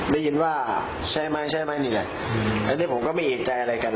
ได้ยินว่าใช่ไหมใช่ไหมนี่แหละอันนี้ผมก็ไม่เอกใจอะไรกัน